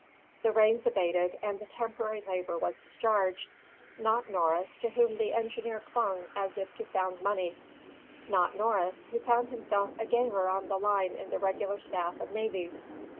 The rains abated, and the temporary labour was discharged; not Norris, to whom the engineer clung as to found money; not Norris, who found himself a ganger on the line in the regular staff of navvies.